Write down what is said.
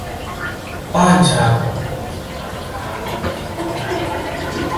ป้านชาใบนี้สำหรับชาหลงจิ่งเท่านั้น